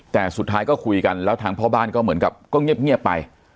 แต่สุดท้ายก็คุยกันแล้วทางพ่อบ้านก็เหมือนกับก็เงียบไป